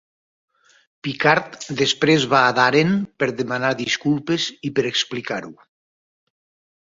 Picard després va a Daren per demanar disculpes i per explicar-ho.